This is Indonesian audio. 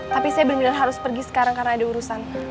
tapi saya benar benar harus pergi sekarang karena ada urusanku